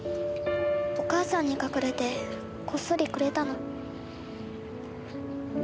お母さんに隠れてこっそりくれたの。